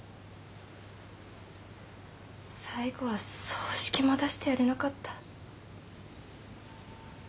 最後は葬式も出してやれなかった。